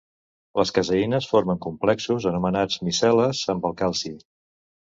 Les caseïnes formen complexos anomenats micel·les amb el calci.